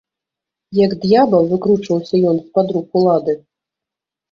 Як д'ябал, выкручваўся ён з-пад рук улады.